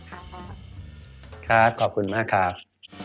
ขอบคุณมากครับ